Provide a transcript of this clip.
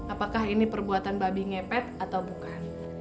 apakah ini perbuatan babi ngepet atau bukan